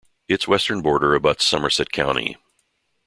Its western border abuts Somerset County.